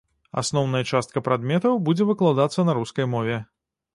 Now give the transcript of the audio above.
Асноўная частка прадметаў будзе выкладацца на рускай мове.